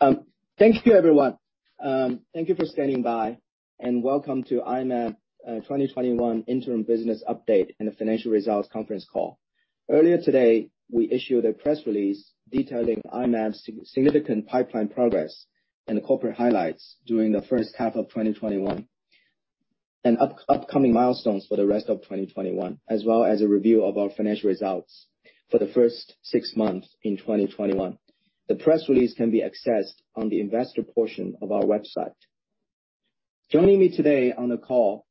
Thank you everyone. Thank you for standing by, and welcome to I-Mab 2021 Interim Business Update and Financial Results Conference Call. Earlier today, we issued a press release detailing I-Mab' significant pipeline progress and the corporate highlights during the first half of 2021, and upcoming milestones for the rest of 2021, as well as a review of our financial results for the first six months in 2021. The press release can be accessed on the investor portion of our website. Joining me today on the call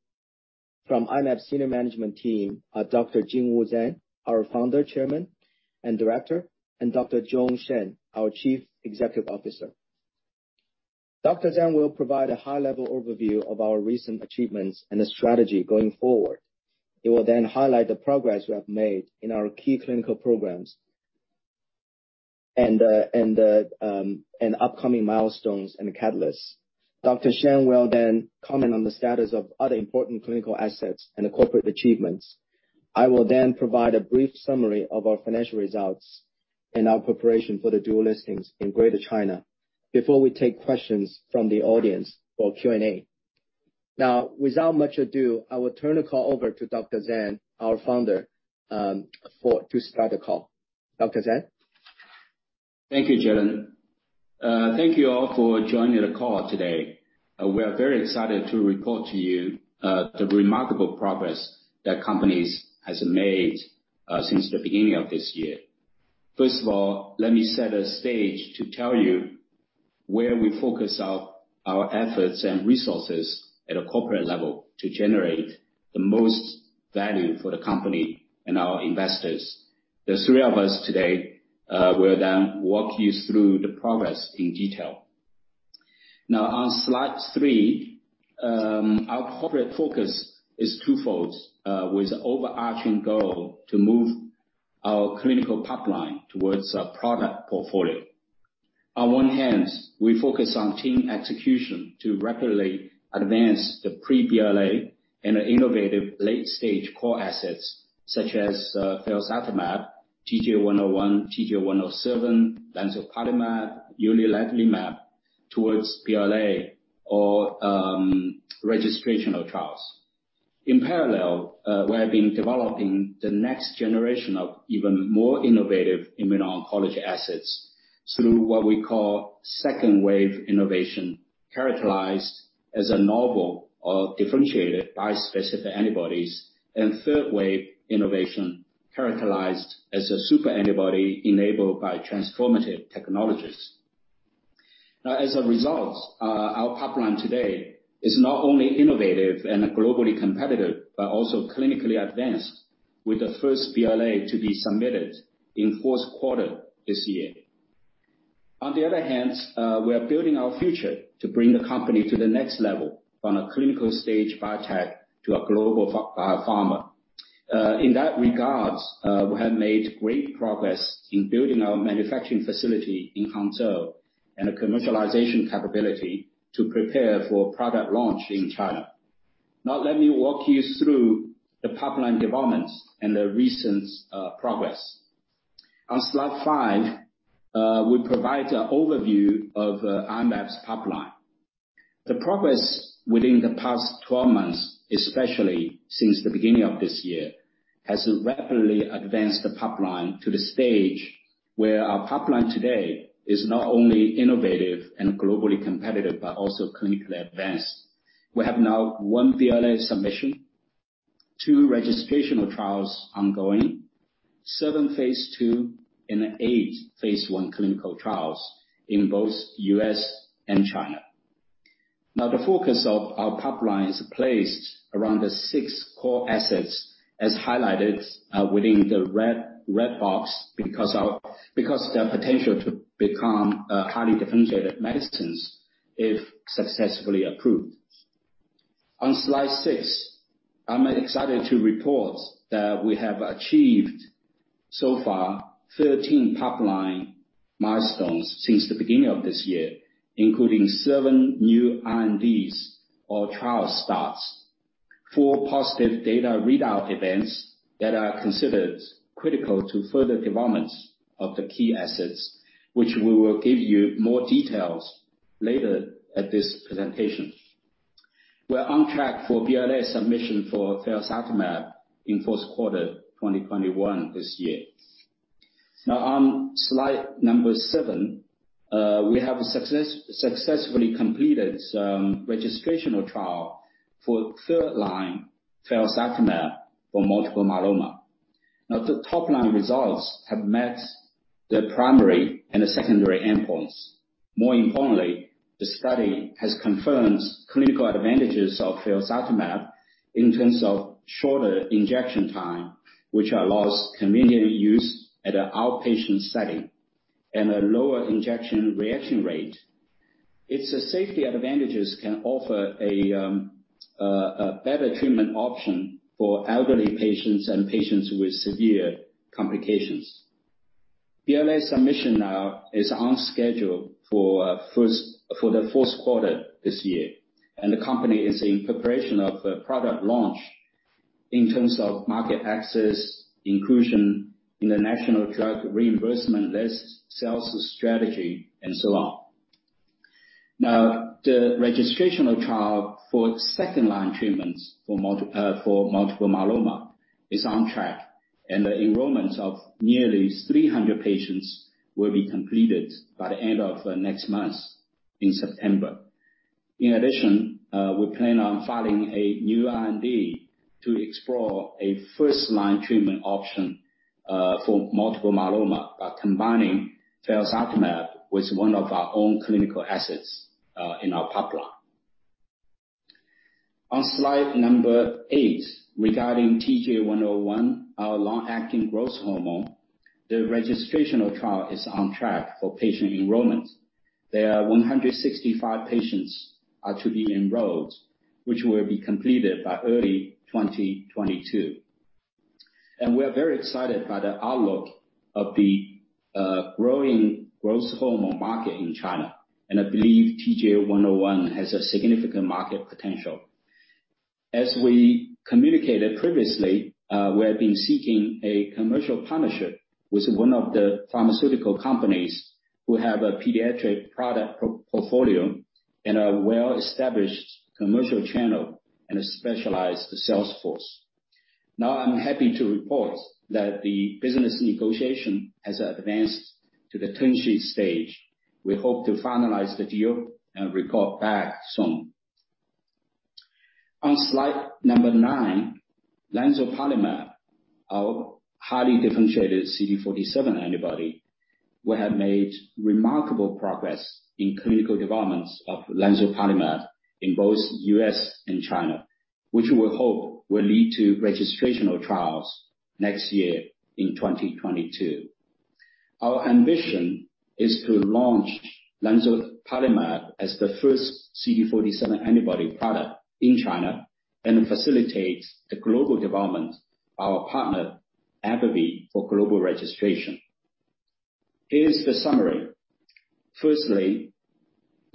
from I-Mab' senior management team are Dr. Jingwu Zang, our Founder, Chairman, and Director, and Joan Shen, our Chief Executive Officer. Dr. Zang will provide a high-level overview of our recent achievements and the strategy going forward. He will then highlight the progress we have made in our key clinical programs, and upcoming milestones and catalysts. Dr. Shen will then comment on the status of other important clinical assets and the corporate achievements. I will then provide a brief summary of our financial results and our preparation for the dual listings in Greater China before we take questions from the audience for Q&A. Now, without much ado, I will turn the call over to Dr. Zang, our founder, to start the call. Dr. Zang? Thank you, Jielun. Thank you all for joining the call today. We are very excited to report to you the remarkable progress that company has made since the beginning of this year. First of all, let me set the stage to tell you where we focus our efforts and resources at a corporate level to generate the most value for the company and our investors. The three of us today will then walk you through the progress in detail. On slide three, our corporate focus is twofold, with overarching goal to move our clinical pipeline towards a product portfolio. On one hand, we focus on team execution to rapidly advance the pre-BLA and innovative late-stage core assets such as felzartamab, TJ101, TJ107, lemzoparlimab, uliledlimab, towards BLA or registrational trials. In parallel, we have been developing the next generation of even more innovative immuno-oncology assets through what we call second wave innovation, characterized as a novel or differentiated bispecific antibodies, and third wave innovation characterized as a super antibody enabled by transformative technologies. As a result, our pipeline today is not only innovative and globally competitive, but also clinically advanced with the first BLA to be submitted in fourth quarter this year. On the other hand, we are building our future to bring the company to the next level on a clinical-stage biotech to a global pharma. In that regard, we have made great progress in building our manufacturing facility in Hangzhou and a commercialization capability to prepare for product launch in China. Let me walk you through the pipeline developments and the recent progress. On slide five, we provide an overview of I-Mab's pipeline. The progress within the past 12 months, especially since the beginning of this year, has rapidly advanced the pipeline to the stage where our pipeline today is not only innovative and globally competitive, but also clinically advanced. We have now one BLA submission, two registrational trials ongoing, seven phase II, and eight phase I clinical trials in both U.S. and China. Now, the focus of our pipeline is placed around the six core assets as highlighted within the red box because their potential to become highly differentiated medicines if successfully approved. On slide six, I'm excited to report that we have achieved so far 13 pipeline milestones since the beginning of this year, including seven new INDs or trial starts, four positive data readout events that are considered critical to further developments of the key assets, which we will give you more details later at this presentation. We're on track for BLA submission for felzartamab in fourth quarter 2021 this year. On slide number seven, we have successfully completed some registrational trial for third line felzartamab for multiple myeloma. The top-line results have met the primary and the secondary endpoints. More importantly, the study has confirmed clinical advantages of felzartamab in terms of shorter injection time, which allows convenient use at an outpatient setting, and a lower injection reaction rate. Its safety advantages can offer a better treatment option for elderly patients and patients with severe complications. BLA submission now is on schedule for the fourth quarter this year, the company is in preparation of the product launch. In terms of market access, inclusion in the national drug reimbursement list, sales strategy, and so on. The registrational trial for second-line treatments for multiple myeloma is on track, and the enrollments of nearly 300 patients will be completed by the end of next month, in September. In addition, we plan on filing a new IND to explore a first-line treatment option for multiple myeloma by combining felzartamab with one of our own clinical assets in our pipeline. On slide number eight, regarding TJ101, our long-acting growth hormone, the registrational trial is on track for patient enrollment. There are 165 patients to be enrolled, which will be completed by early 2022. We are very excited by the outlook of the growing growth hormone market in China, and I believe TJ101 has a significant market potential. As we communicated previously, we have been seeking a commercial partnership with one of the pharmaceutical companies who have a pediatric product portfolio and a well-established commercial channel and a specialized sales force. I'm happy to report that the business negotiation has advanced to the term sheet stage. We hope to finalize the deal and report back soon. On slide number nine, lemzoparlimab, our highly differentiated CD47 antibody, we have made remarkable progress in clinical developments of lemzoparlimab in both U.S. and China, which we hope will lead to registrational trials next year in 2022. Our ambition is to launch lemzoparlimab as the first CD47 antibody product in China, and facilitate the global development of our partner, AbbVie, for global registration. Here is the summary.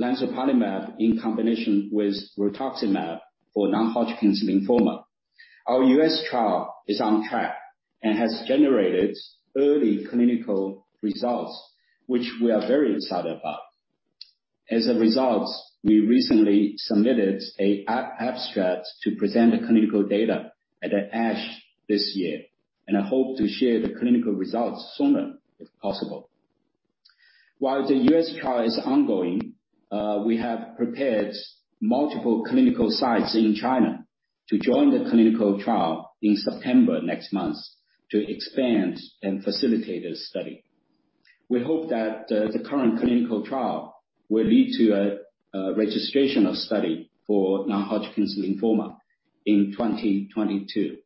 lemzoparlimab in combination with rituximab for non-Hodgkin's lymphoma. Our U.S. trial is on track and has generated early clinical results, which we are very excited about. As a result, we recently submitted an abstract to present the clinical data at ASH this year, and I hope to share the clinical results sooner if possible. While the U.S. trial is ongoing, we have prepared multiple clinical sites in China to join the clinical trial in September next month to expand and facilitate the study. We hope that the current clinical trial will lead to a registrational study for non-Hodgkin's lymphoma in 2022.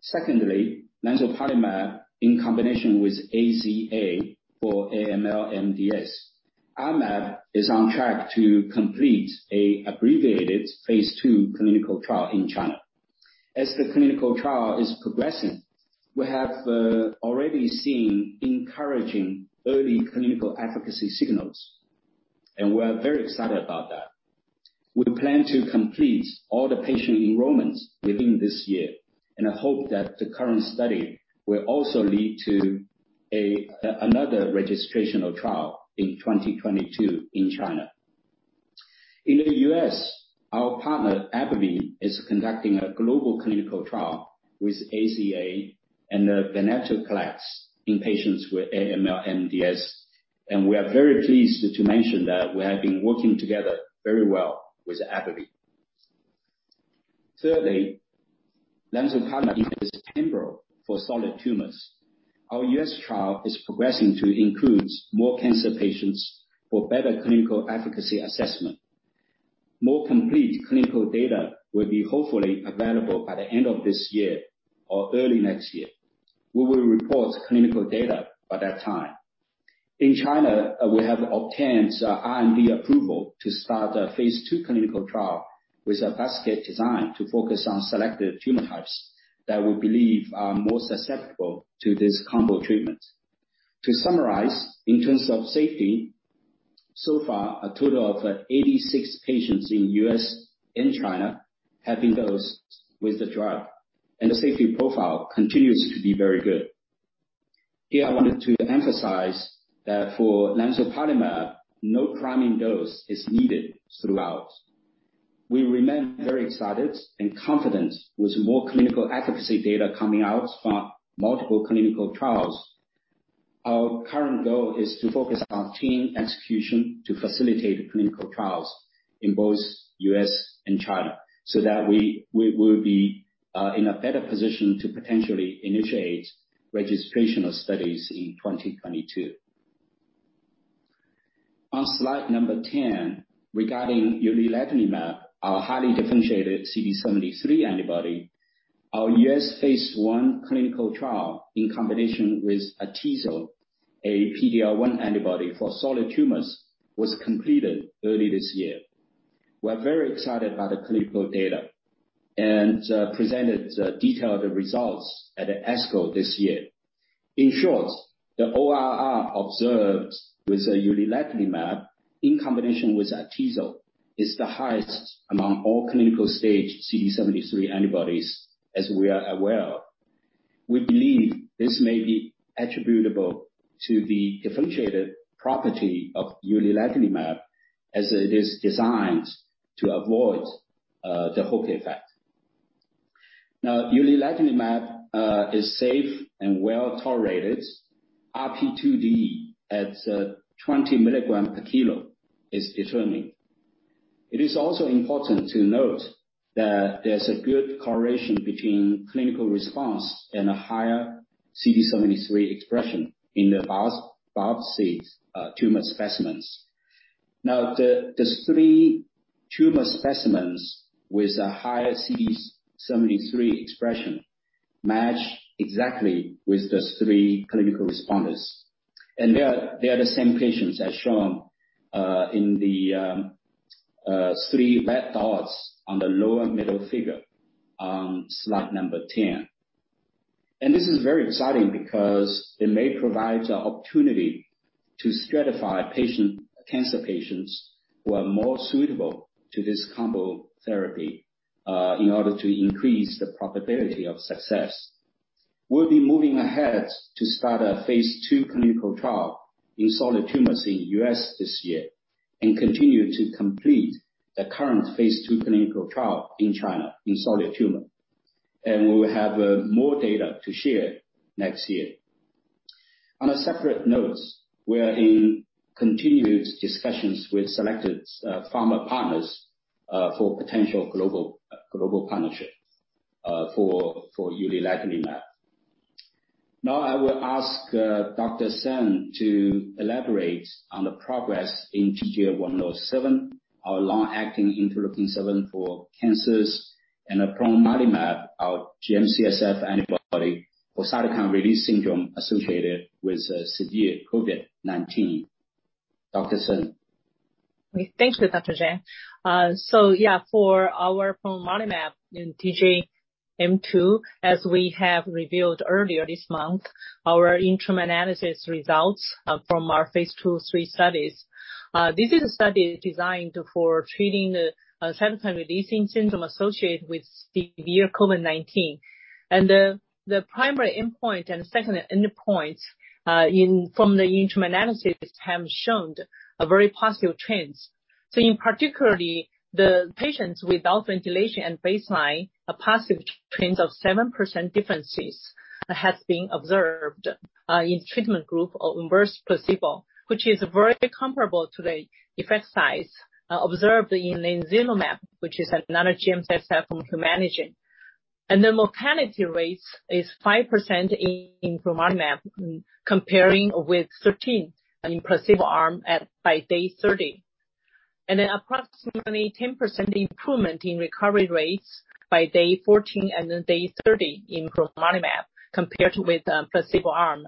Secondly, lemzoparlimab in combination with AZA for AML/MDS. Our mab is on track to complete an abbreviated phase II clinical trial in China. As the clinical trial is progressing, we have already seen encouraging early clinical efficacy signals, and we are very excited about that. We plan to complete all the patient enrollments within this year. I hope that the current study will also lead to another registrational trial in 2022 in China. In the U.S., our partner, AbbVie, is conducting a global clinical trial with AZA and venetoclax in patients with AML/MDS. We are very pleased to mention that we have been working together very well with AbbVie. Thirdly, lemzoparlimab as pembro for solid tumors. Our U.S. trial is progressing to include more cancer patients for better clinical efficacy assessment. More complete clinical data will be hopefully available by the end of this year or early next year. We will report clinical data by that time. In China, we have obtained IND approval to start a phase II clinical trial with a basket design to focus on selected tumor types that we believe are more susceptible to this combo treatment. To summarize, in terms of safety, so far, a total of 86 patients in U.S. and China have been dosed with the drug, and the safety profile continues to be very good. Here, I wanted to emphasize that for lemzoparlimab, no priming dose is needed throughout. We remain very excited and confident with more clinical efficacy data coming out from multiple clinical trials. Our current goal is to focus on team execution to facilitate the clinical trials in both U.S. and China, so that we will be in a better position to potentially initiate registrational studies in 2022. On slide number 10, regarding uliledlimab, our highly differentiated CD73 antibody. Our U.S. phase I clinical trial in combination with Atezo, a PD-L1 antibody for solid tumors, was completed early this year. We're very excited by the clinical data presented detailed results at the ASCO this year. In short, the ORR observed with uliledlimab in combination with Atezo is the highest among all clinical-stage CD73 antibodies, as we are aware. We believe this may be attributable to the differentiated property of uliledlimab, as it is designed to avoid the Hook effect. uliledlimab is safe and well-tolerated. RP2D at 20 mg/kg is determined. It is also important to note that there's a good correlation between clinical response and a higher CD73 expression in the biopsied tumor specimens. The three tumor specimens with a higher CD73 expression match exactly with the three clinical responders. They are the same patients as shown in the three red dots on the lower middle figure on slide number 10. This is very exciting because it may provide the opportunity to stratify cancer patients who are more suitable to this combo therapy in order to increase the probability of success. We'll be moving ahead to start a phase II clinical trial in solid tumors in U.S. this year and continue to complete the current phase II clinical trial in China in solid tumor. We will have more data to share next year. On a separate note, we are in continued discussions with selected pharma partners for potential global partnership for uliledlimab. I will ask Joan Shen to elaborate on the progress in TJ107, our long-acting interleukin-7 for cancers, and plonmarlimab, our GM-CSF antibody for cytokine release syndrome associated with severe COVID-19. Dr. Shen. Thanks, Dr. Zang. Yeah, for our plonmarlimab in TJ-M2, as we have revealed earlier this month, our interim analysis results from our phase II/III studies. This is a study designed for treating the cytokine releasing syndrome associated with severe COVID-19. The primary endpoint and secondary endpoint from the interim analysis have shown a very positive trend. In particular, the patients without ventilation at baseline, a positive trend of 7% differences has been observed in treatment group or inverse placebo, which is very comparable to the effect size observed in lenzilumab, which is another GM-CSF from Humanigen. The mortality rate is 5% in plonmarlimab, comparing with 13 in placebo arm by day 30. Approximately 10% improvement in recovery rates by day 14 and then day 30 in plonmarlimab compared with the placebo arm.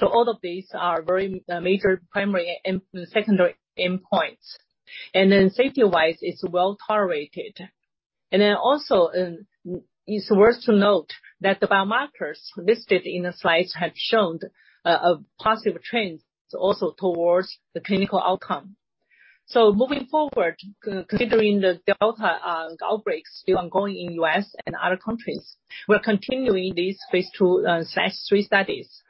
All of these are very major primary and secondary endpoints. Safety-wise, it's well-tolerated. Also, it's worth to note that the biomarkers listed in the slides have shown a positive trend also towards the clinical outcome. Moving forward, considering the Delta outbreaks still ongoing in U.S. and other countries, we're continuing this phase II/III studies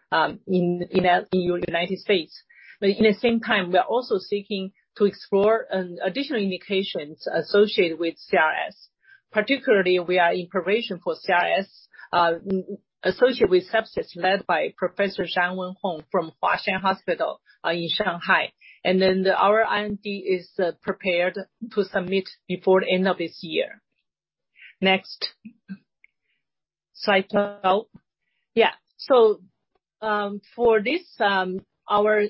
in the United States. In the same time, we are also seeking to explore additional indications associated with CRS. Particularly, we are in preparation for CRS associated with sepsis led by Professor Xianwen Hong from Huashan Hospital in Shanghai. Our IND is prepared to submit before the end of this year. Next slide, please. For this, our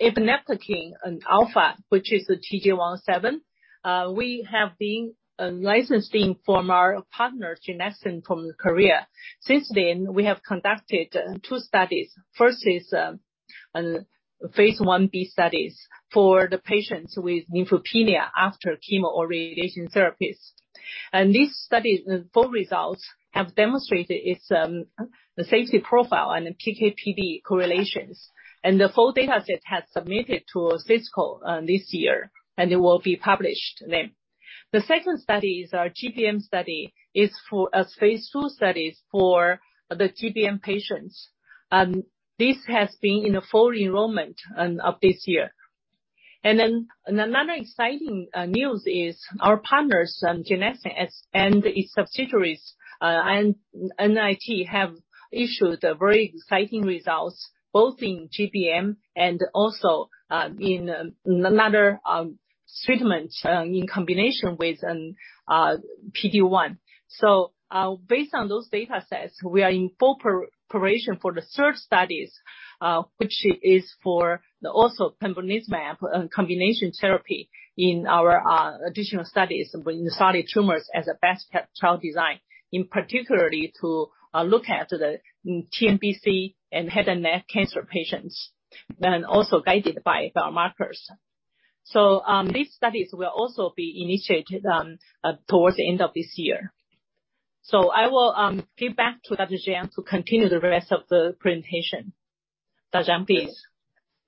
efineptakin alfa, which is the TJ107, we have been licensing from our partners Genexine from Korea. Since then, we have conducted two studies. First is phase Ib studies for the patients with neutropenia after chemo or radiation therapies. This study's full results have demonstrated its safety profile and PK/PD correlations. The full dataset has submitted to SITC this year, and it will be published then. The second study is our GBM study. It's a phase II study for the GBM patients. This has been in a full enrollment of this year. Another exciting news is our partners, Genexine, and its subsidiaries, NIT, have issued very exciting results both in GBM and also in another treatment in combination with PD-1. Based on those data sets, we are in full preparation for the third study, which is for also pembrolizumab combination therapy in our additional studies bringing solid tumors as a best trial design, in particular to look at the TNBC and head and neck cancer patients, and also guided by biomarkers. These studies will also be initiated towards the end of this year. I will give back to Dr. Zang to continue the rest of the presentation. Dr., please.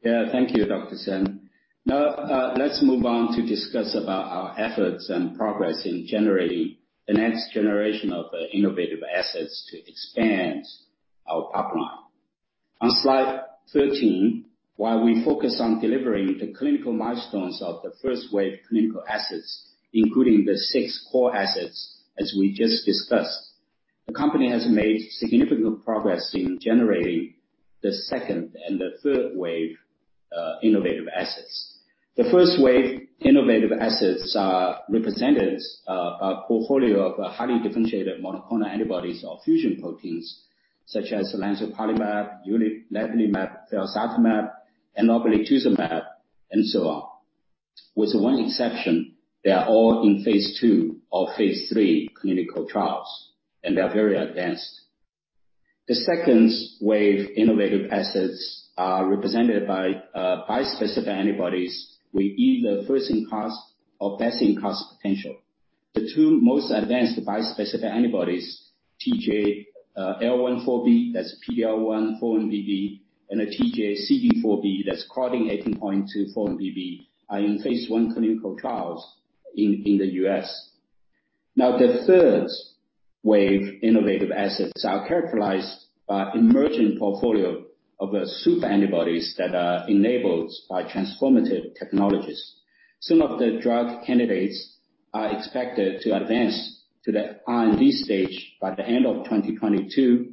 Yeah. Thank you, Dr. Shen. Now let's move on to discuss about our efforts and progress in generating the next generation of innovative assets to expand our pipeline. On slide 13, while we focus on delivering the clinical milestones of the first-wave clinical assets, including the six core assets as we just discussed, the company has made significant progress in generating the second-wave and third-wave innovative assets. The first-wave innovative assets are representatives of a portfolio of highly differentiated monoclonal antibodies or fusion proteins such as lemzoparlimab, uliledlimab, felzartamab, and enoblituzumab, and so on. With one exception, they are all in phase II or phase III clinical trials, and they are very advanced. The second-wave innovative assets are represented by bispecific antibodies with either first-in-class or best-in-class potential. The two most advanced bispecific antibodies, TJ-L14B, that's PD-L1, 4-1BB, and TJ-CD4B, that's Claudin 18.2 4-1BB, are in phase I clinical trials in the U.S. The third wave innovative assets are characterized by emerging portfolio of super antibodies that are enabled by transformative technologies. Some of the drug candidates are expected to advance to the IND stage by the end of 2022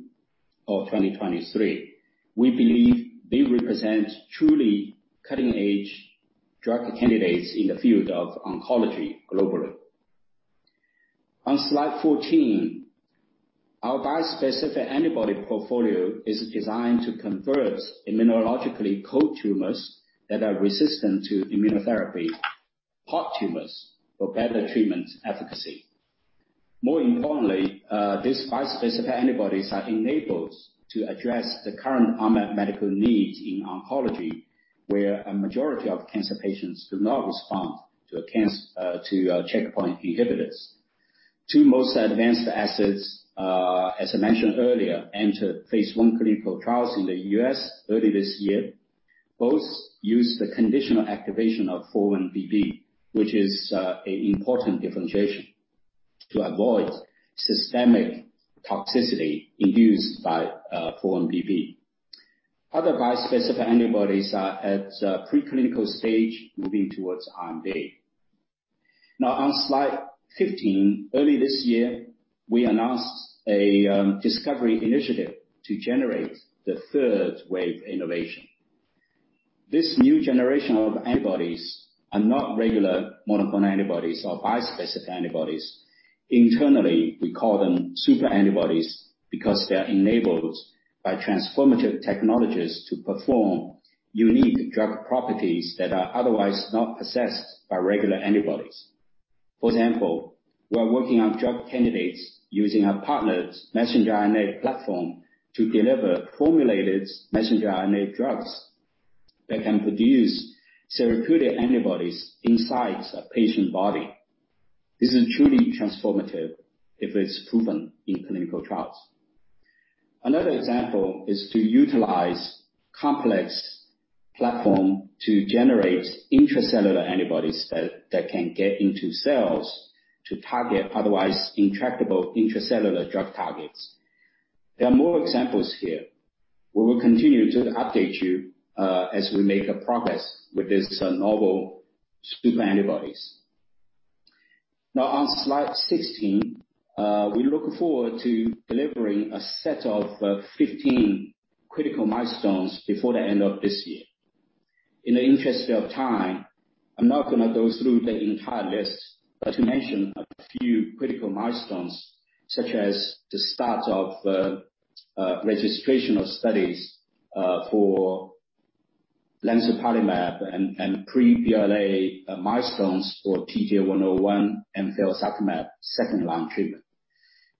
or 2023. We believe they represent truly cutting-edge drug candidates in the field of oncology globally. On slide 14, our bispecific antibody portfolio is designed to convert immunologically cold tumors that are resistant to immunotherapy, hot tumors, for better treatment efficacy. More importantly, these bispecific antibodies are enabled to address the current unmet medical needs in oncology, where a majority of cancer patients do not respond to checkpoint inhibitors. Two most advanced assets, as I mentioned earlier, entered phase I clinical trials in the U.S. early this year. Both use the conditional activation of 4-1BB, which is an important differentiation to avoid systemic toxicity induced by 4-1BB. Other bispecific antibodies are at preclinical stage moving towards IND. On slide 15, early this year, we announced a discovery initiative to generate the third wave innovation. This new generation of antibodies are not regular monoclonal antibodies or bispecific antibodies. Internally, we call them super antibodies because they're enabled by transformative technologies to perform unique drug properties that are otherwise not possessed by regular antibodies. For example, we are working on drug candidates using our partner's messenger RNA platform to deliver formulated messenger RNA drugs that can produce therapeutic antibodies inside a patient body. This is truly transformative if it's proven in clinical trials. Another example is to utilize Complix platform to generate intracellular antibodies that can get into cells to target otherwise intractable intracellular drug targets. There are more examples here. We will continue to update you as we make a progress with this novel super antibodies. On slide 16, we look forward to delivering a set of 15 critical milestones before the end of this year. In the interest of time, I'm not going to go through the entire list, but to mention a few critical milestones, such as the start of registration of studies for lemzoparlimab and pre-BLA milestones for TJ101 and felzartamab second-line treatment.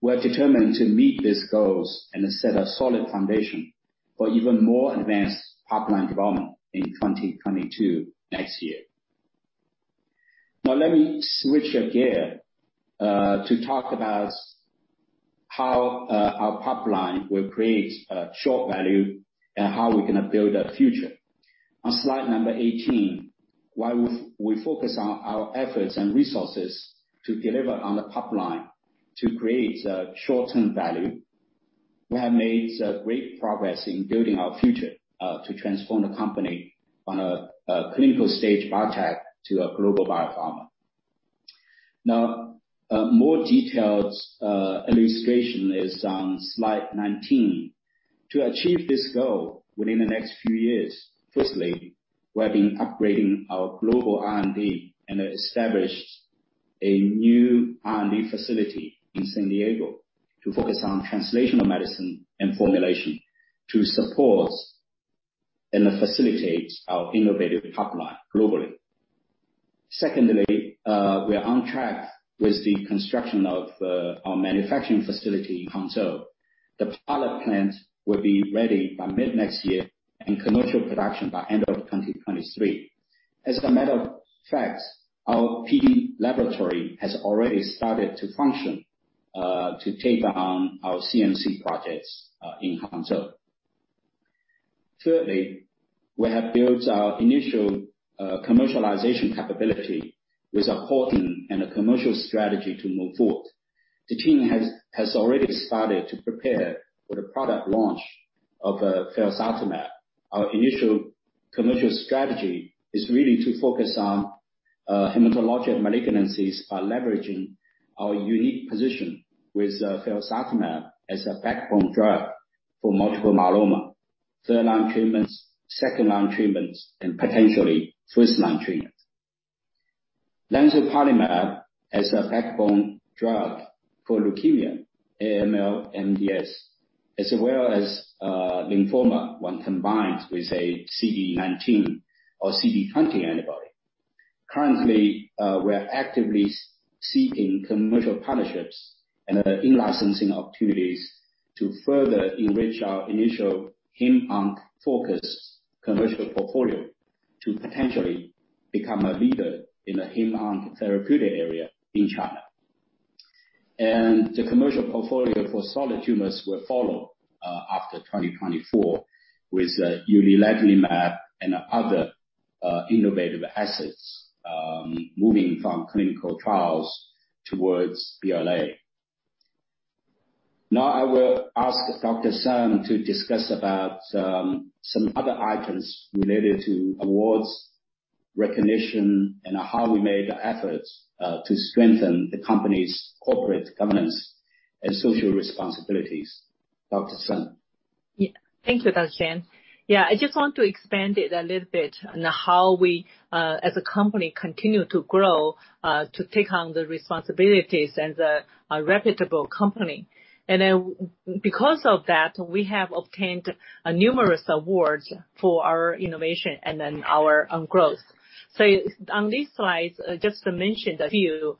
We're determined to meet these goals and set a solid foundation for even more advanced pipeline development in 2022, next year. Let me switch gear to talk about how our pipeline will create share value and how we're going to build our future. On slide 18, while we focus our efforts and resources to deliver on the pipeline to create short-term value, we have made great progress in building our future to transform the company on a clinical-stage biotech to a global biopharma. More detailed illustration is on slide 19. To achieve this goal within the next few years, firstly, we have been upgrading our global R&D and established a new R&D facility in San Diego to focus on translational medicine and formulation to support and facilitate our innovative pipeline globally. Secondly, we are on track with the construction of our manufacturing facility in Hangzhou. The pilot plant will be ready by mid-next year, and commercial production by end of 2023. As a matter of fact, our PD laboratory has already started to function to take on our CMC projects in Hangzhou. Thirdly, we have built our initial commercialization capability with [a hoarding] and a commercial strategy to move forward. The team has already started to prepare for the product launch of the felzartamab. Our initial commercial strategy is really to focus on hematologic malignancies by leveraging our unique position with felzartamab as a backbone drug for multiple myeloma, third-line treatments, second-line treatments, and potentially first-line treatments. Lemzoparlimab as a backbone drug for leukemia, AML, MDS, as well as lymphoma when combined with a CD19 or CD20 antibody. Currently, we are actively seeking commercial partnerships and in-licensing opportunities to further enrich our initial hem/onc focus commercial portfolio to potentially become a leader in the hem/onc therapeutic area in China. The commercial portfolio for solid tumors will follow after 2024 with the uliledlimab and other innovative assets moving from clinical trials towards BLA. Now I will ask Dr. Shen to discuss about some other items related to awards, recognition, and how we made efforts to strengthen the company's corporate governance and social responsibilities. Dr. Shen. Yeah. Thank you, Dr. Zang. I just want to expand it a little bit on how we, as a company, continue to grow, to take on the responsibilities as a reputable company. Because of that, we have obtained numerous awards for our innovation and then our growth. On this slide, just to mention a few,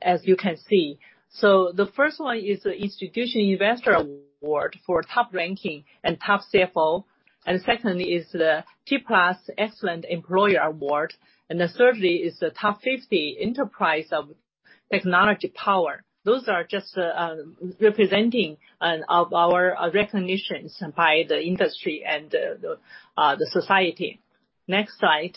as you can see. The first one is the Institutional Investor Award for top ranking and top CFO, and secondly is the T+ Excellent Employer Award, and then thirdly is the Top 50 Enterprise of Technology Power. Those are just representing of our recognitions by the industry and the society. Next slide.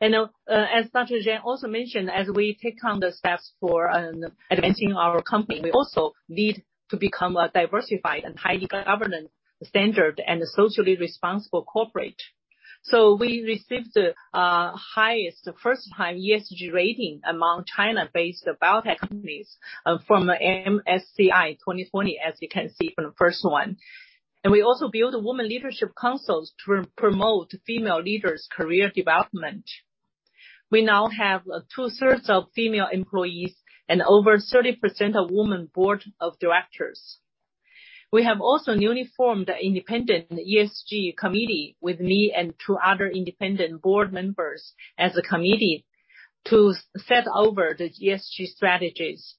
As Dr. Zang also mentioned, as we take on the steps for advancing our company, we also need to become a diversified and highly governance centered and socially responsible corporate. We received the highest first-time ESG rating among China-based biotech companies from MSCI 2020, as you can see from the first one. We also build a woman leadership councils to promote female leaders' career development. We now have 2/3 of female employees and over 30% of woman board of directors. We have also newly formed the independent ESG committee with me and two other independent board members as a committee to set over the ESG strategies.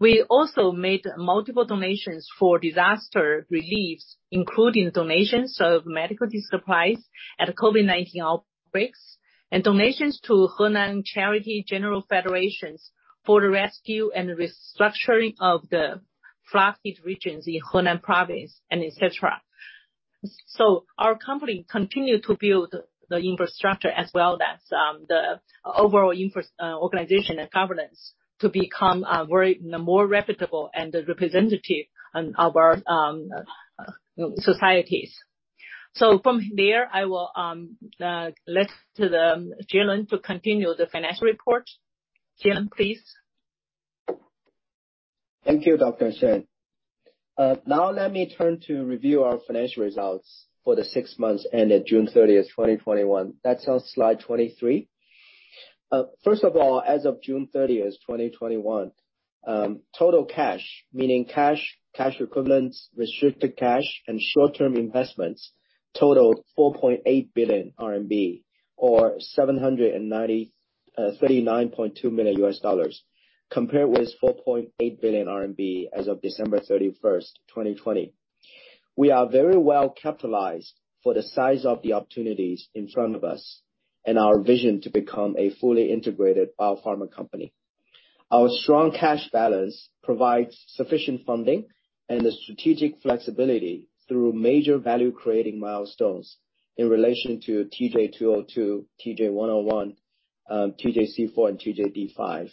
We also made multiple donations for disaster reliefs, including donations of medical supplies at COVID-19 outbreaks, and donations to Henan Charity General Federation for the rescue and restructuring of the flooded regions in Henan Province, and et cetera. Our company continued to build the infrastructure as well as the overall organization and governance to become a more reputable and representative of our societies. From there, I will list to Jielun to continue the financial report. Jielun, please. Thank you, Dr. Shen. Let me turn to review our financial results for the six months ended June 30th, 2021. That is on slide 23. First of all, as of June 30th, 2021, total cash, meaning cash equivalents, restricted cash, and short-term investments totaled RMB 4.8 billion, or $739.2 million compared with 4.8 billion RMB as of December 31st, 2020. We are very well capitalized for the size of the opportunities in front of us and our vision to become a fully integrated biopharma company. Our strong cash balance provides sufficient funding and the strategic flexibility through major value-creating milestones in relation to TJ202, TJ101, TJC4, and TJD5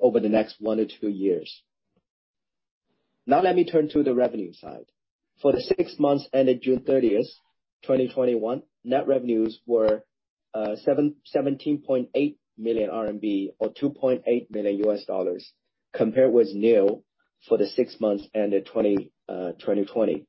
over the next one to two years. Let me turn to the revenue side. For the six months ended June 30th, 2021, net revenues were 17.8 million RMB or $2.8 million compared with nil for the six months ended 2020.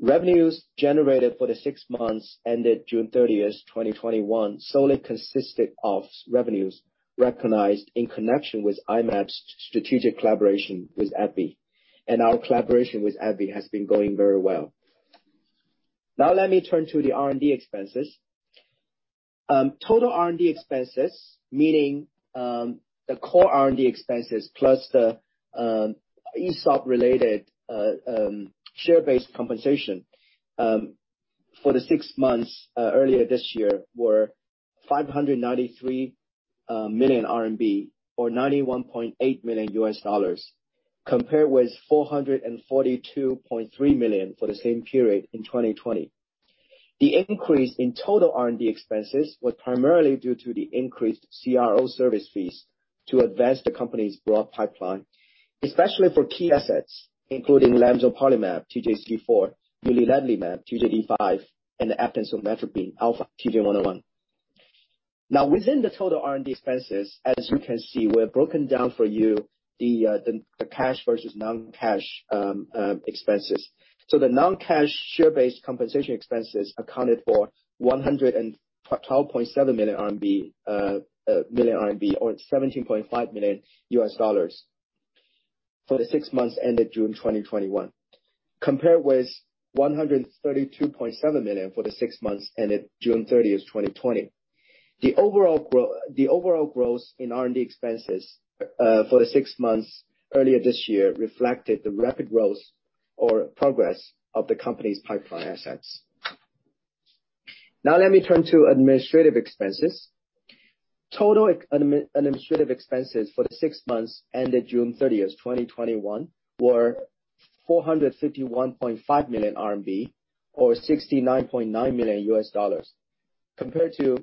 Revenues generated for the six months ended June 30th, 2021, solely consisted of revenues recognized in connection with I-Mab's strategic collaboration with AbbVie. Our collaboration with AbbVie has been going very well. Let me turn to the R&D expenses. Total R&D expenses, meaning the core R&D expenses plus the ESOP-related share-based compensation, for the six months earlier this year were 593 million RMB or $91.8 million, compared with 442.3 million for the same period in 2020. The increase in total R&D expenses was primarily due to the increased CRO service fees to advance the company's broad pipeline, especially for key assets including lemzoparlimab, TJ-C4, uliledlimab, TJD5, and eftansomatropin alfa, TJ101. Within the total R&D expenses, as you can see, we have broken down for you the cash versus non-cash expenses. The non-cash share-based compensation expenses accounted for 112.7 million RMB or $17.5 million for the six months ended June 2021, compared with 132.7 million for the six months ended June 30, 2020. The overall growth in R&D expenses for the six months earlier this year reflected the rapid growth or progress of the company's pipeline assets. Now let me turn to administrative expenses. Total administrative expenses for the six months ended June 30th, 2021, were 451.5 million RMB or $69.9 million, compared to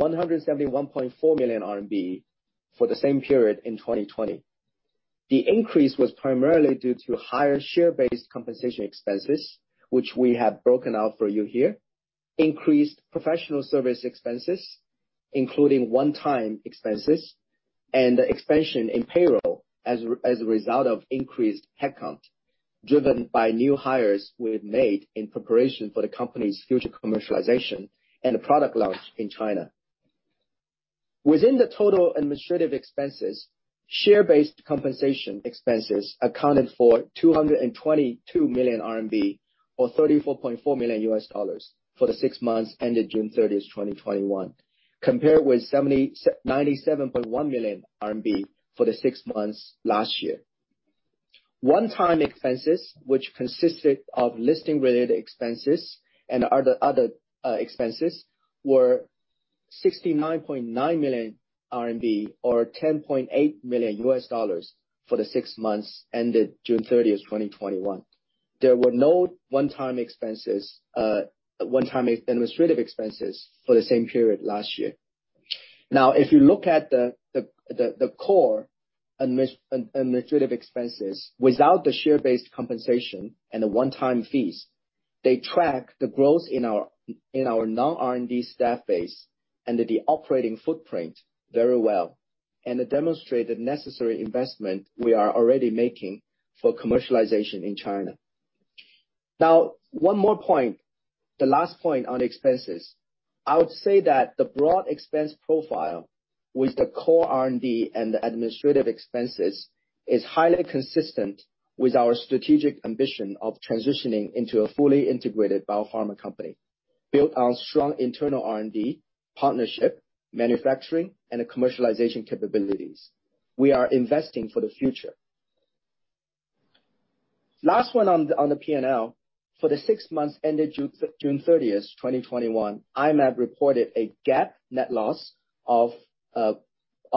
171.4 million RMB for the same period in 2020. The increase was primarily due to higher share-based compensation expenses, which we have broken out for you here, increased professional service expenses, including one-time expenses, and the expansion in payroll as a result of increased headcount driven by new hires we've made in preparation for the company's future commercialization and product launch in China. Within the total administrative expenses, share-based compensation expenses accounted for 222 million RMB or $34.4 million for the six months ended June 30th, 2021, compared with 97.1 million RMB for the 6 months last year. One-time expenses, which consisted of listing related expenses and other expenses, were 69.9 million RMB or $10.8 million for the six months ended June 30, 2021. There were no one-time administrative expenses for the same period last year. If you look at the core administrative expenses without the share-based compensation and the one-time fees, they track the growth in our non-R&D staff base and the operating footprint very well and demonstrate the necessary investment we are already making for commercialization in China. One more point, the last point on expenses. I would say that the broad expense profile with the core IND and the administrative expenses is highly consistent with our strategic ambition of transitioning into a fully integrated biopharma company built on strong internal R&D, partnership, manufacturing, and commercialization capabilities. We are investing for the future. Last one on the P&L. For the six months ended June 30, 2021, I-Mab reported a GAAP net loss of 1.07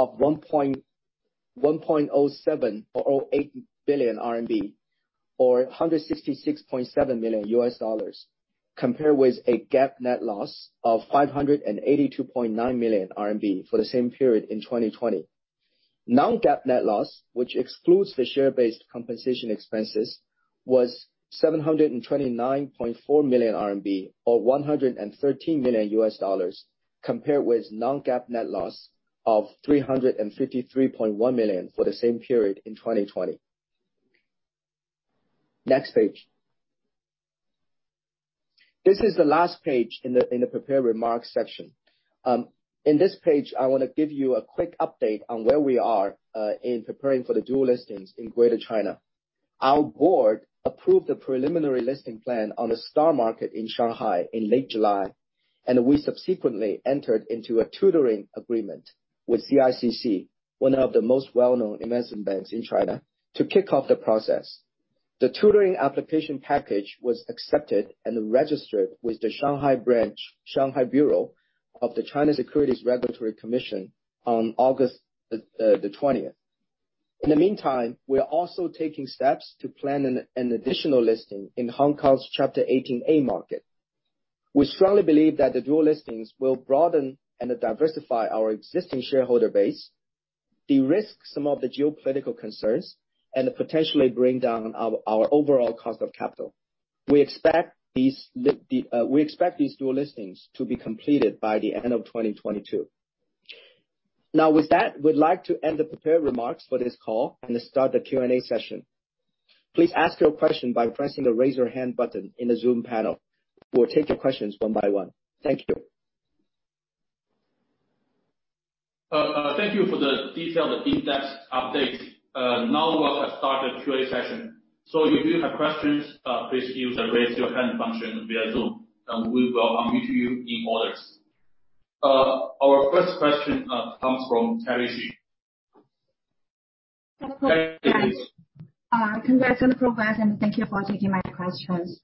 or 1.08 billion or $166.7 million, compared with a GAAP net loss of 582.9 million RMB for the same period in 2020. Non-GAAP net loss, which excludes the share-based compensation expenses, was 729.4 million RMB or $113 million, compared with non-GAAP net loss of 353.1 million for the same period in 2020. Next page. This is the last page in the prepared remarks section. In this page, I want to give you a quick update on where we are in preparing for the dual listings in Greater China. Our board approved the preliminary listing plan on the STAR Market in Shanghai in late July, and we subsequently entered into a tutoring agreement with CICC, one of the most well-known investment banks in China, to kick off the process. The tutoring application package was accepted and registered with the Shanghai Bureau of the China Securities Regulatory Commission on August the 20th. In the meantime, we are also taking steps to plan an additional listing in Hong Kong's Chapter 18A market. We strongly believe that the dual listings will broaden and diversify our existing shareholder base, de-risk some of the geopolitical concerns, and potentially bring down our overall cost of capital. We expect these dual listings to be completed by the end of 2022. With that, we'd like to end the prepared remarks for this call and start the Q&A session. Please ask your question by pressing the Raise Your Hand button in the Zoom panel. We'll take your questions one by one. Thank you. Thank you for the detailed in-depth update. Now we'll start the Q&A session. If you have questions, please use the raise your hand function via Zoom, and we will unmute you in order. Our first question comes from Kelly Shi. Kelly, please. Congrats on the progress and thank you for taking my questions.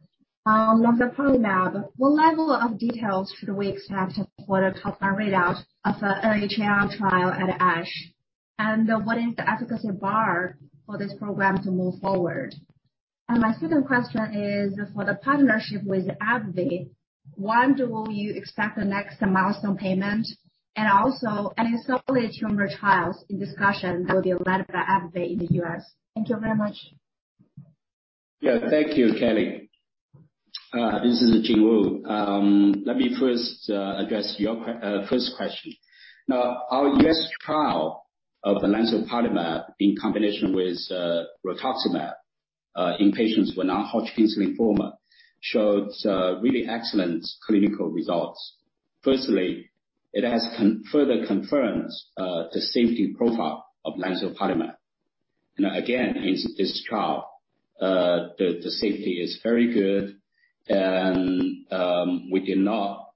On the lemzoparlimab, what level of details should we expect for the top line readout of the early trial at ASH, and what is the efficacy bar for this program to move forward? My second question is for the partnership with AbbVie, when will you expect the next milestone payment, and also any solid tumor trials in discussion with AbbVie in the U.S.? Thank you very much. Yeah, thank you, Kelly. This is Jingwu Zang. Let me first address your first question. Now, our U.S. trial of the lemzoparlimab in combination with rituximab in patients with non-Hodgkin's lymphoma showed really excellent clinical results. Firstly, it has further confirmed the safety profile of lemzoparlimab. Again, in this trial, the safety is very good, and we did not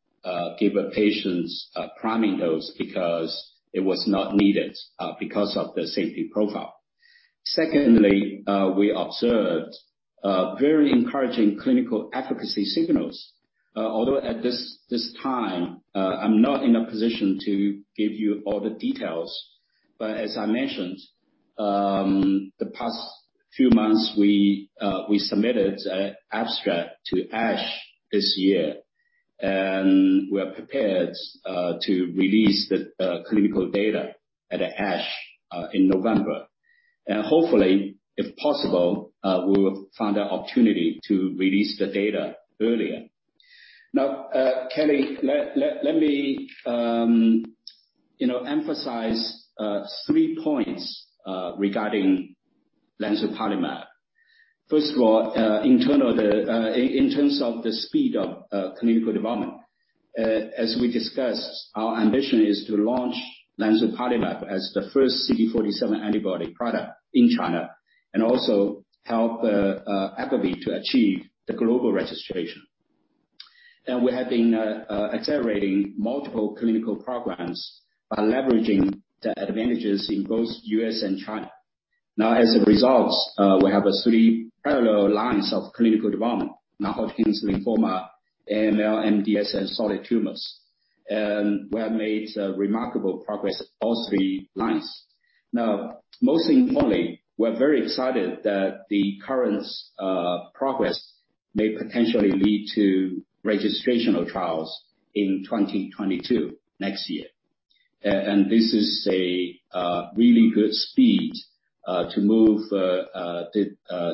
give patients a priming dose because it was not needed because of the safety profile. Secondly, we observed very encouraging clinical efficacy signals. Although at this time, I'm not in a position to give you all the details, but as I mentioned, the past few months, we submitted abstract to ASH this year. We're prepared to release the clinical data at ASH in November. Hopefully, if possible, we will find an opportunity to release the data earlier. Now, Kelly, let me emphasize three points regarding lemzoparlimab. First of all, in terms of the speed of clinical development, as we discussed, our ambition is to launch lemzoparlimab as the first CD47 antibody product in China, and also help AbbVie to achieve the global registration. We have been accelerating multiple clinical programs by leveraging the advantages in both U.S. and China. As a result, we have three parallel lines of clinical development, non-Hodgkin's lymphoma, AML/MDS, and solid tumors. We have made remarkable progress on all three lines. Most importantly, we're very excited that the current progress may potentially lead to registrational trials in 2022, next year. This is a really good speed to move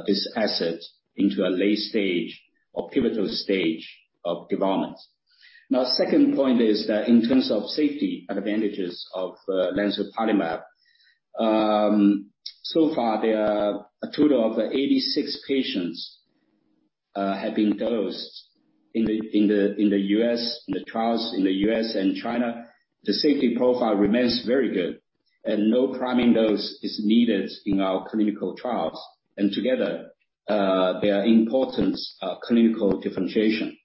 this asset into a late stage or pivotal stage of development. Second point is that in terms of safety advantages of lemzoparlimab, so far there are a total of 86 patients have been dosed in the trials in the U.S. and China. The safety profile remains very good, and no priming dose is needed in our clinical trials. Together, they are important clinical differentiation.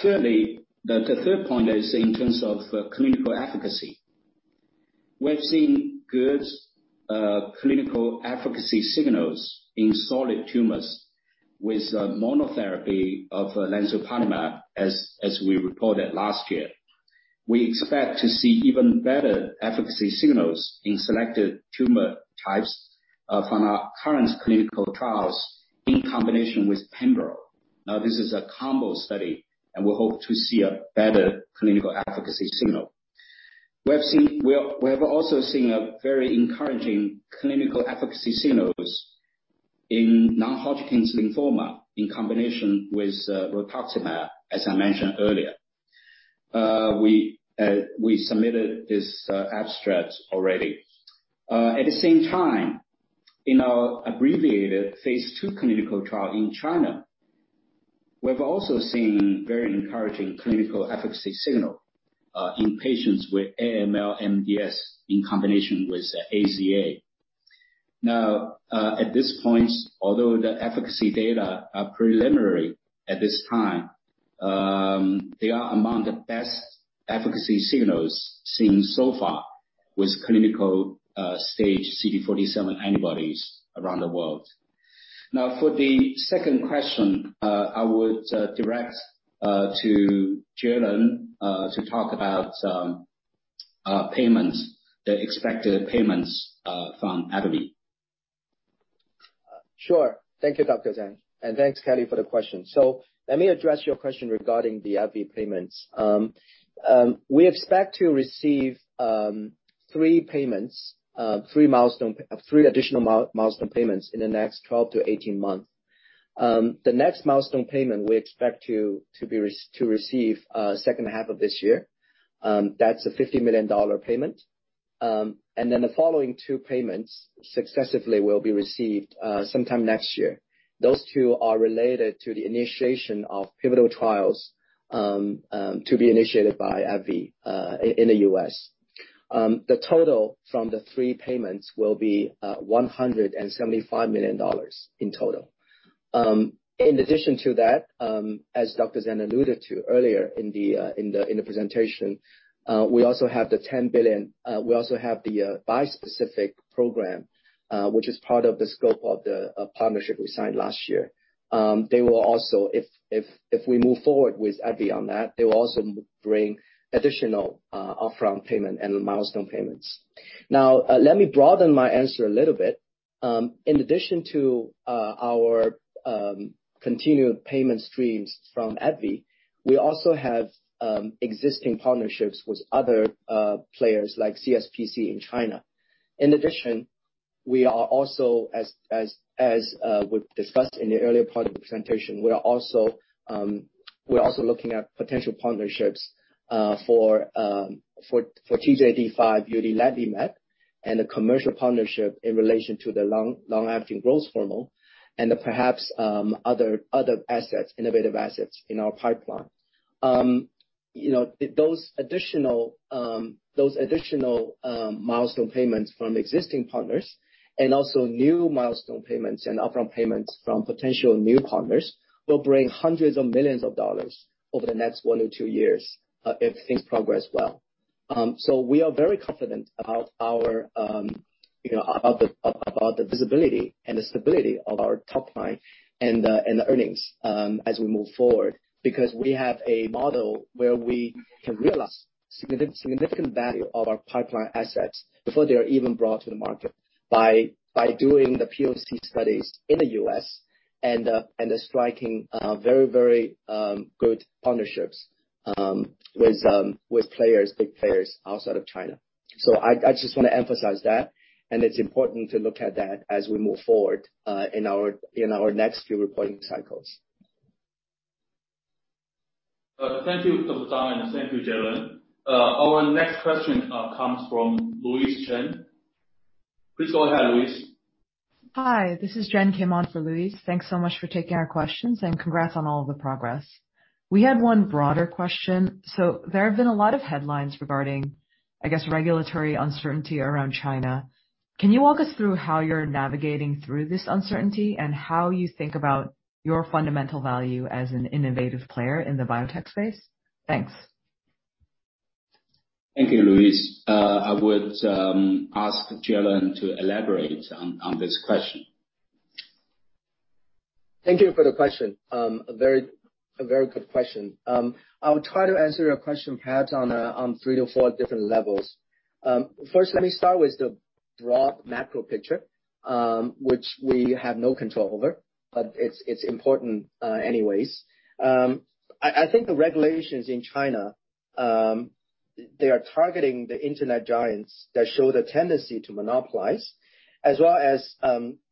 Thirdly, the third point is in terms of clinical efficacy. We've seen good clinical efficacy signals in solid tumors with monotherapy of lemzoparlimab as we reported last year. We expect to see even better efficacy signals in selected tumor types from our current clinical trials in combination with pembrolizumab. This is a combo study, and we hope to see a better clinical efficacy signal. We have also seen a very encouraging clinical efficacy signals in non-Hodgkin's lymphoma in combination with rituximab, as I mentioned earlier. We submitted this abstract already. At the same time, in our abbreviated phase II clinical trial in China, we've also seen very encouraging clinical efficacy signal in patients with AML/MDS, in combination with AZA. At this point, although the efficacy data are preliminary at this time, they are among the best efficacy signals seen so far with clinical stage CD47 antibodies around the world. For the second question, I would direct to Jielun to talk about the expected payments from AbbVie. Thank you, Dr. Zang. Thanks, Kelly, for the question. Let me address your question regarding the AbbVie payments. We expect to receive three additional milestone payments in the next 12-18 months. The next milestone payment we expect to receive second half of this year, that's a $50 million payment. The following two payments successively will be received sometime next year. Those two are related to the initiation of pivotal trials to be initiated by AbbVie in the U.S. The total from the three payments will be $175 million in total. In addition to that, as Dr. Zang alluded to earlier in the presentation, we also have the bispecific program, which is part of the scope of the partnership we signed last year. They will also, if we move forward with AbbVie on that, they will also bring additional upfront payment and milestone payments. Let me broaden my answer a little bit. In addition to our continued payment streams from AbbVie, we also have existing partnerships with other players like CSPC in China. In addition, we are also, as we discussed in the earlier part of the presentation, we're also looking at potential partnerships for TJD5, uliledlimab, and the commercial partnership in relation to the long-acting growth hormone and perhaps other innovative assets in our pipeline. Those additional milestone payments from existing partners and also new milestone payments and upfront payments from potential new partners will bring hundreds of millions of dollars over the next one or two years, if things progress well. We are very confident about the visibility and the stability of our top line and the earnings as we move forward, because we have a model where we can realize significant value of our pipeline assets before they are even brought to the market by doing the POC studies in the U.S. and striking very good partnerships with big players outside of China. I just want to emphasize that, and it's important to look at that as we move forward in our next few reporting cycles. Thank you, Dr. Zang, thank you, Jielun. Our next question comes from Louise Chen. Please go ahead, Louise. Hi, this is Jen Kim on for Louise. Thanks so much for taking our questions. Congrats on all of the progress. We had one broader question. There have been a lot of headlines regarding, I guess, regulatory uncertainty around China. Can you walk us through how you're navigating through this uncertainty and how you think about your fundamental value as an innovative player in the biotech space? Thanks. Thank you, Louise. I would ask Jielun to elaborate on this question. Thank you for the question. A very good question. I'll try to answer your question perhaps on three to four different levels. First, let me start with the broad macro picture, which we have no control over, but it's important anyways. I think the regulations in China, they are targeting the internet giants that show the tendency to monopolize, as well as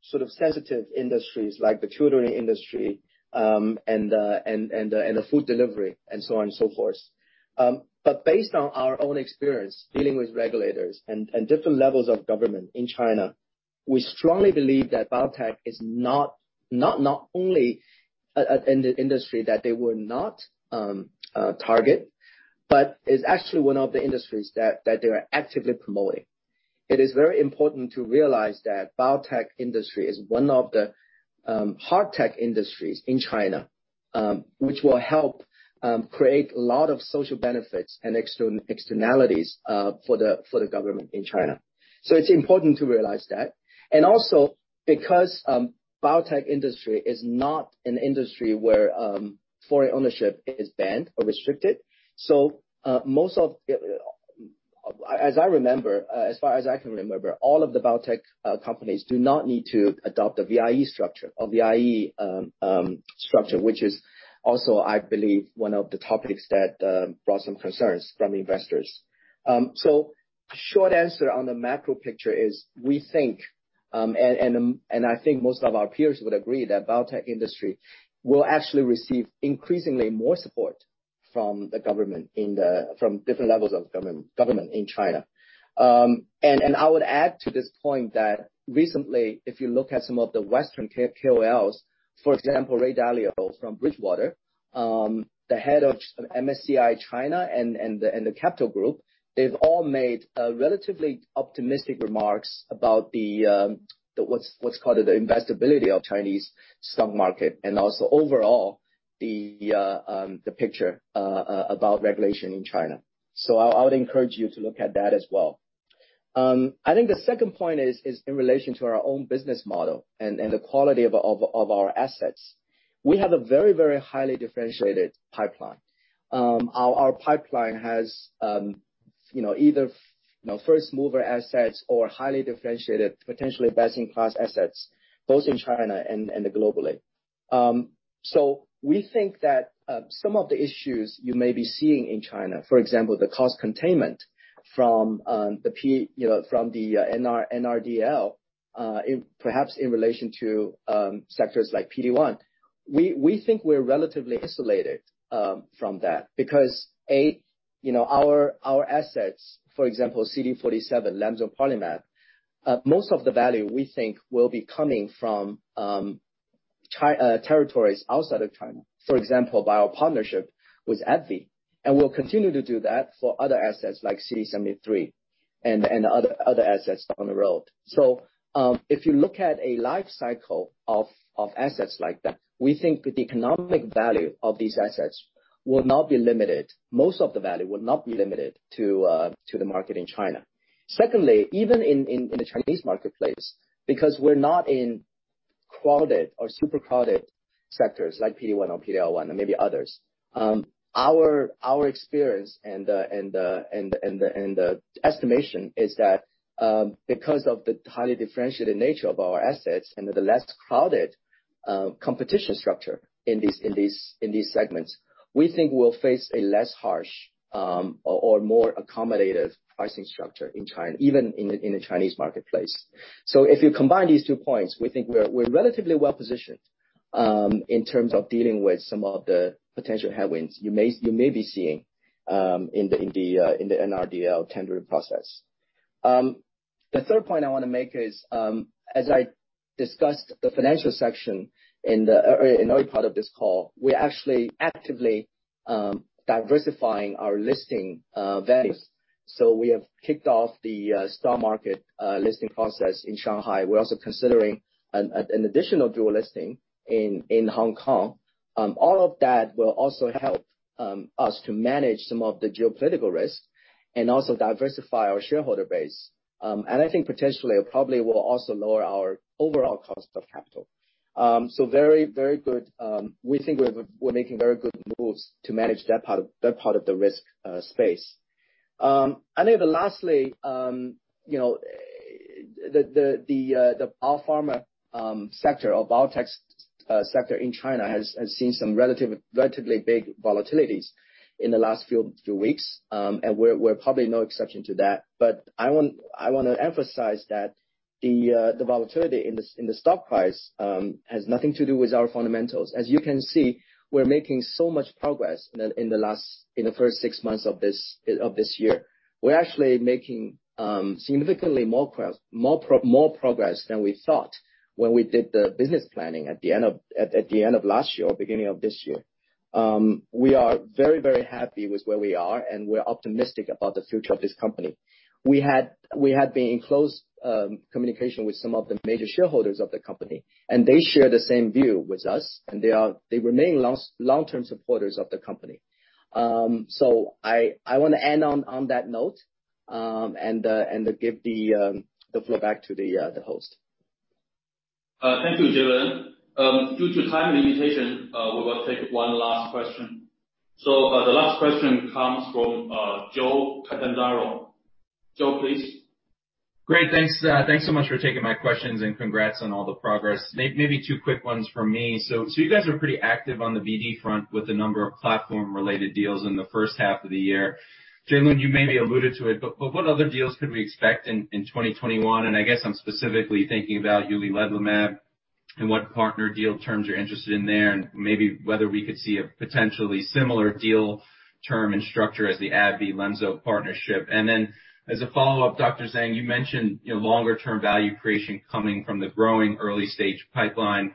sort of sensitive industries like the tutoring industry and the food delivery and so on and so forth. Based on our own experience dealing with regulators and different levels of government in China, we strongly believe that biotech is not only in the industry that they will not target, but is actually one of the industries that they are actively promoting. It is very important to realize that biotech industry is one of the hard tech industries in China, which will help create a lot of social benefits and externalities for the government in China. It's important to realize that. Also because biotech industry is not an industry where foreign ownership is banned or restricted, as far as I can remember, all of the biotech companies do not need to adopt a VIE structure, which is also, I believe, one of the topics that brought some concerns from investors. Short answer on the macro picture is, we think, and I think most of our peers would agree that biotech industry will actually receive increasingly more support from different levels of government in China. I would add to this point that recently, if you look at some of the Western KOLs, for example, Ray Dalio from Bridgewater, the head of MSCI China, and the Capital Group, they've all made relatively optimistic remarks about what's called the investability of Chinese stock market, and also overall, the picture about regulation in China. I would encourage you to look at that as well. I think the second point is in relation to our own business model and the quality of our assets. We have a very highly differentiated pipeline. Our pipeline has either first mover assets or highly differentiated, potentially best-in-class assets, both in China and globally. We think that some of the issues you may be seeing in China, for example, the cost containment from the NRDL, perhaps in relation to sectors like PD-1. We think we're relatively isolated from that because, a, our assets, for example, CD47 lemzoparlimab, most of the value, we think, will be coming from territories outside of China, for example, by our partnership with AbbVie. We'll continue to do that for other assets like CD73 and other assets down the road. If you look at a life cycle of assets like that, we think the economic value of these assets will not be limited. Most of the value will not be limited to the market in China. Secondly, even in the Chinese marketplace, because we're not in crowded or super crowded sectors like PD-1 or PD-L1 and maybe others, our experience and estimation is that because of the highly differentiated nature of our assets and the less crowded competition structure in these segments, we think we'll face a less harsh or more accommodative pricing structure in China, even in the Chinese marketplace. If you combine these two points, we think we're relatively well-positioned in terms of dealing with some of the potential headwinds you may be seeing in the NRDL tendering process. The third point I want to make is as I discussed the financial section in the early part of this call, we're actually actively diversifying our listing venues. We have kicked off the stock market listing process in Shanghai. We're also considering an additional dual listing in Hong Kong. All of that will also help us to manage some of the geopolitical risks and also diversify our shareholder base. I think potentially, it probably will also lower our overall cost of capital. Very good. We think we're making very good moves to manage that part of the risk space. Lastly, the biopharma sector or biotech sector in China has seen some relatively big volatilities in the last few weeks, and we're probably no exception to that. I want to emphasize that the volatility in the stock price has nothing to do with our fundamentals. As you can see, we're making so much progress in the first six months of this year. We're actually making significantly more progress than we thought when we did the business planning at the end of last year or beginning of this year. We are very happy with where we are, and we're optimistic about the future of this company. We had been in close communication with some of the major shareholders of the company, and they share the same view with us, and they remain long-term supporters of the company. I want to end on that note, and give the floor back to the host. Thank you, Jielun. Due to time limitation, we will take one last question. The last question comes from Joseph Catanzaro. Joe, please. Great. Thanks so much for taking my questions, and congrats on all the progress. Maybe two quick ones from me. You guys are pretty active on the BD front with a number of platform-related deals in the first half of the year. Jielun, you maybe alluded to it, but what other deals could we expect in 2021? I guess I'm specifically thinking about uliledlimab and what partner deal terms you're interested in there, and maybe whether we could see a potentially similar deal term and structure as the AbbVie-lenzilumab partnership. As a follow-up, Dr. Zang, you mentioned longer-term value creation coming from the growing early-stage pipeline.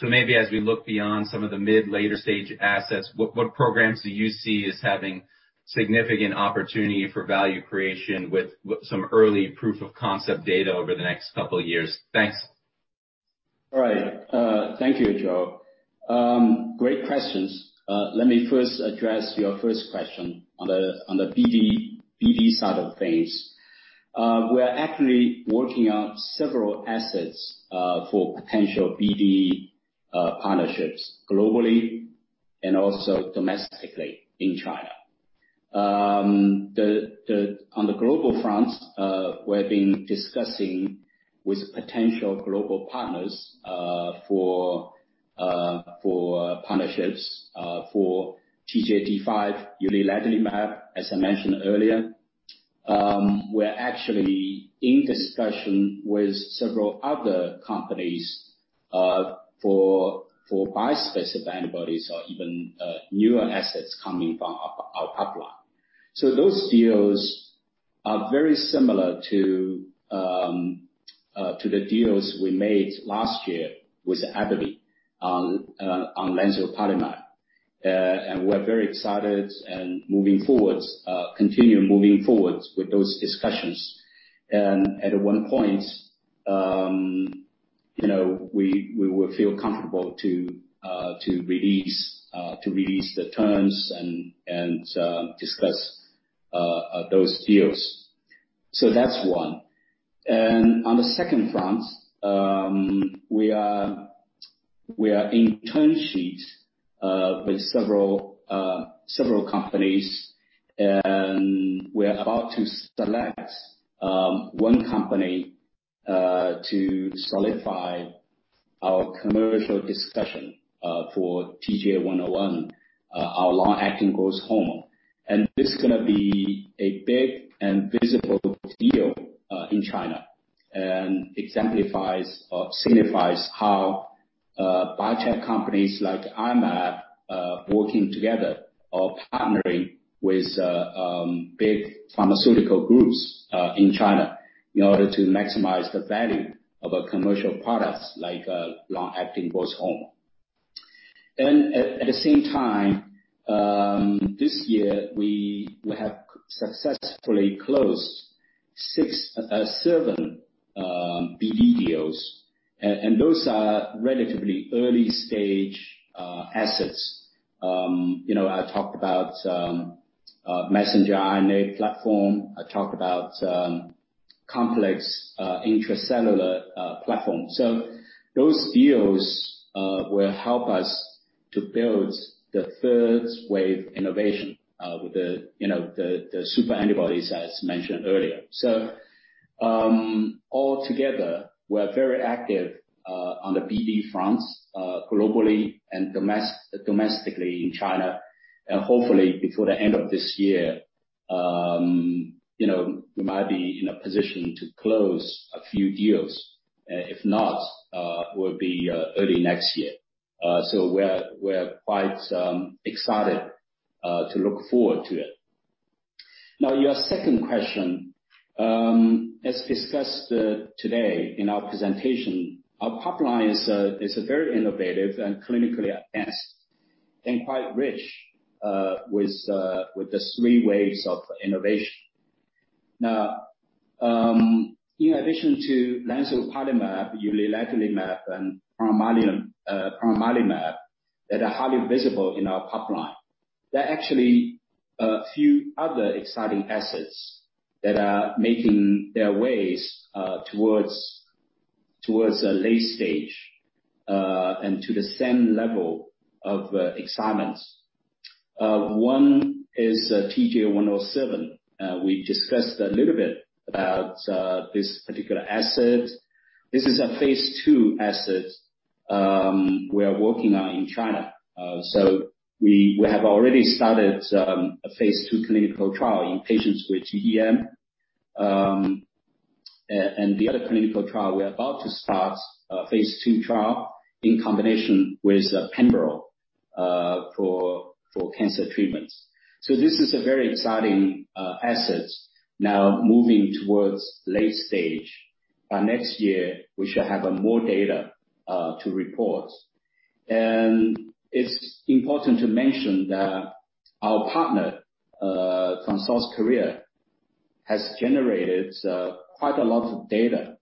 Maybe as we look beyond some of the mid later-stage assets, what programs do you see as having significant opportunity for value creation with some early proof of concept data over the next couple of years? Thanks. All right. Thank you, Joe. Great questions. Let me first address your first question on the BD side of things. We're actively working on several assets for potential BD partnerships globally and also domestically in China. On the global front, we've been discussing with potential global partners for partnerships for TJD5, uliledlimab, as I mentioned earlier. We're actually in discussion with several other companies for bispecific antibodies or even newer assets coming from our pipeline. Those deals are very similar to the deals we made last year with AbbVie on lemzoparlimab. We're very excited and moving forward, continue moving forward with those discussions. At one point, we will feel comfortable to release the terms and discuss those deals. That's one. On the second front, we are in term sheets with several companies, and we are about to select one company to solidify our commercial discussion for TJ101, our long-acting growth hormone. This is going to be a big and visible deal in China. It exemplifies or signifies how biotech companies like I-Mab, working together or partnering with big pharmaceutical groups in China in order to maximize the value of our commercial products, like long-acting growth hormone. At the same time, this year we have successfully closed seven BD deals, and those are relatively early-stage assets. I talked about messenger RNA platform. I talked about complex intracellular platform. Those deals will help us to build the third wave innovation with the super antibodies, as mentioned earlier. Altogether, we are very active on the BD fronts globally and domestically in China. Hopefully, before the end of this year, we might be in a position to close a few deals. If not, it will be early next year. We're quite excited to look forward to it. Your second question. As discussed today in our presentation, our pipeline is very innovative and clinically advanced and quite rich with the three waves of innovation. In addition to lemzoparlimab, uliledlimab, and plonmarilmab that are highly visible in our pipeline, there are actually a few other exciting assets that are making their ways towards a late stage, and to the same level of excitement. One is TJ107. We discussed a little bit about this particular asset. This is a phase II asset we are working on in China. We have already started a phase II clinical trial in patients with GBM. The other clinical trial, we're about to start a phase II trial in combination with Pembro for cancer treatments. This is a very exciting asset now moving towards late stage. By next year, we shall have more data to report. It's important to mention that our partner, [Transose Korea], has generated quite a lot of data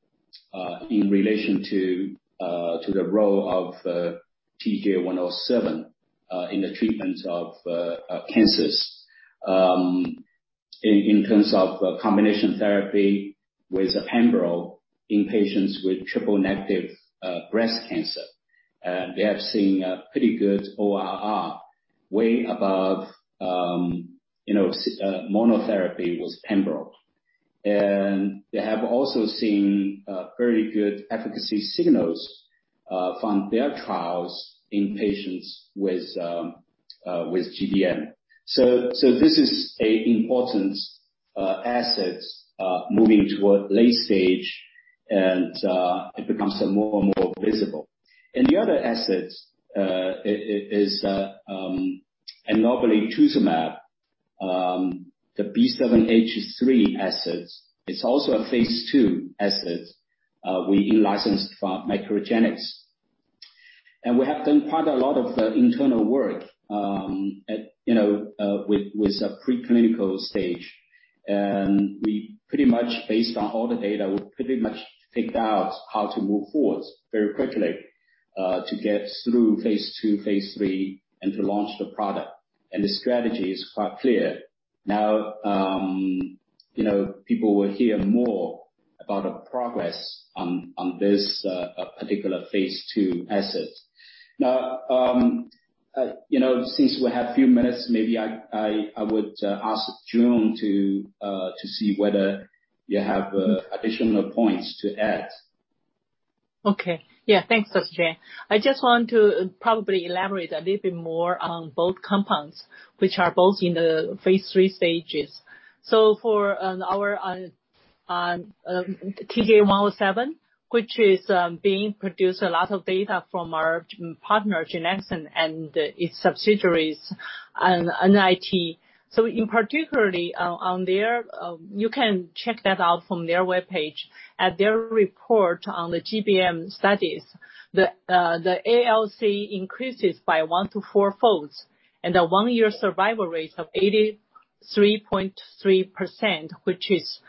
in relation to the role of TJ107 in the treatment of cancers in terms of combination therapy with Pembro in patients with triple-negative breast cancer. They have seen a pretty good ORR, way above monotherapy with Pembro. They have also seen very good efficacy signals from their trials in patients with GBM. This is an important asset moving toward late stage, and it becomes more and more visible. The other asset is enoblituzumab, the B7H3 asset. It's also a phase II asset we in-licensed from MacroGenics. We have done quite a lot of the internal work with a pre-clinical stage, we pretty much based on all the data, we pretty much figured out how to move forward very quickly to get through phase II, phase III, and to launch the product. The strategy is quite clear. People will hear more about the progress on this particular phase II asset. Since we have a few minutes, maybe I would ask Joan to see whether you have additional points to add. Thanks, Dr. Zang. I just want to probably elaborate a little bit more on both compounds, which are both in the phase III stages. For our efineptakin, which is being produced a lot of data from our partner, Genexine, and its subsidiaries, and NeoImmuneTech. In particular, on there, you can check that out from their webpage. At their report on the GBM studies, the ALC increases by one to four folds, and a one-year survival rate of 83.3%, which is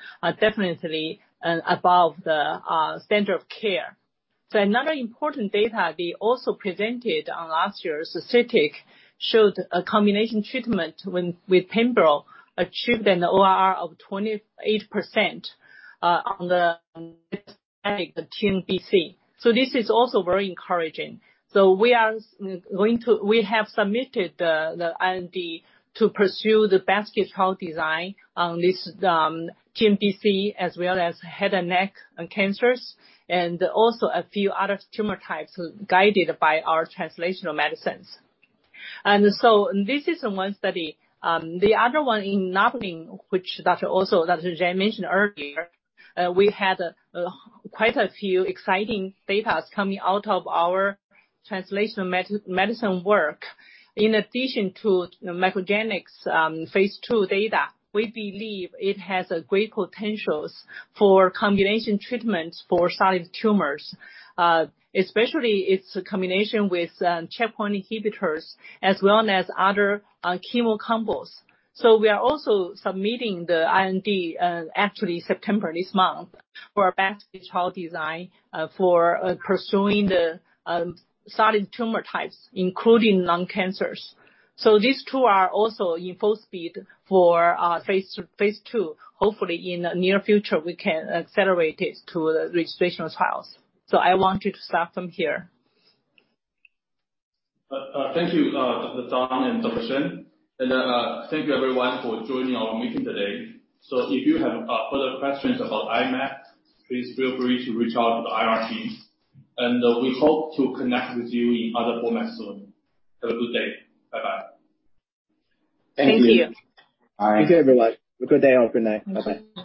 definitely above the standard of care. Another important data they also presented on last year's SITC showed a combination treatment with Pembro achieved an ORR of 28% on the TNBC. We have submitted the IND to pursue the basket trial design on this TNBC, as well as head and neck cancers, and also a few other tumor types guided by our translational medicines. This is one study. The other one in [Nobning], which Dr. Jingwu Zhu mentioned earlier, we had quite a few exciting data coming out of our translational medicine work. In addition to MacroGenics' phase II data, we believe it has great potentials for combination treatments for solid tumors, especially its combination with checkpoint inhibitors as well as other chemo combos. We are also submitting the IND, actually September, this month, for a basket trial design for pursuing the solid tumor types, including lung cancers. These two are also in full speed for phase II. Hopefully, in the near future, we can accelerate it to the registrational trials. I want to stop from here. Thank you, Dr. Zang and Dr. Joan. Thank you everyone for joining our meeting today. If you have further questions about I-Mab, please feel free to reach out to the IR team, and we hope to connect with you in other formats soon. Have a good day. Bye-bye. Thank you. Thank you. Bye. Thank you, everyone. Have a good day or good night. Bye-bye. Bye.